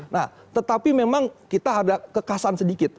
nah tetapi memang kita ada kekasan sedikit